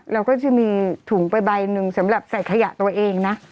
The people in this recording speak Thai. เราก็จะมีถุงไปใบหนึ่งสำหรับใส่ขยะตัวเองนะ